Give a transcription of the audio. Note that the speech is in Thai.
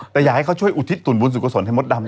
อยากให้เขาช่วยอุทิศสุขสนตร์ให้มดดำ